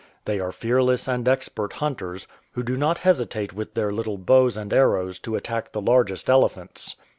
They are fearless and expert hunters, who do not hesitate with their little bows and arrows to attack the largest ele phants.